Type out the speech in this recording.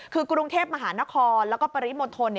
คือกรุงเทพมหานครแล้วก็ปริมณฑล